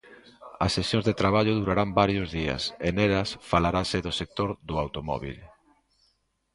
As sesións de traballo durarán varios días e nelas falarase do sector do automóbil.